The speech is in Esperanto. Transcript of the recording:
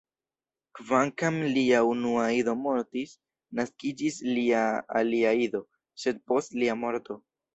Kvankam lia unua ido mortis, naskiĝis lia alia ido, sed post lia morto.